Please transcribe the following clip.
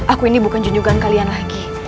aku ini bukan junjukan kalian lagi